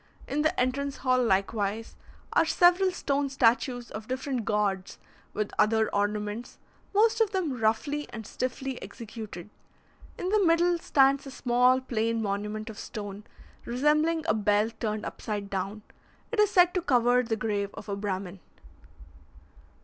In the entrance hall, likewise, are several stone statues of different gods, with other ornaments, most of them roughly and stiffly executed. In the middle stands a small plain monument of stone, resembling a bell turned upside down; it is said to cover the grave of a Brahmin.